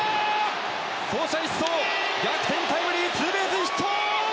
走者一掃、逆転タイムリーツーベースヒット！